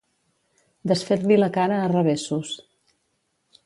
Desfer-li la cara a revessos.